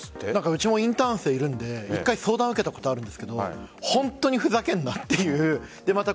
うちもインターン生いるので相談を受けたことがあるんですが本当にふざけんなっていう。